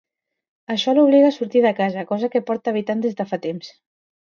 Això l'obliga a sortir de casa, cosa que porta evitant des de fa temps.